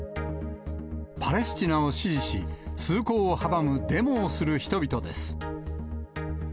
パレスチナを支持し、通行を阻むデモをする人々です。